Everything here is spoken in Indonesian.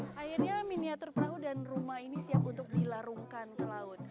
akhirnya miniatur perahu dan rumah ini siap untuk dilarungkan ke laut